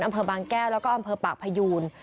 อำเภอบางแก้วแล้วก็อำเภอปากพยูน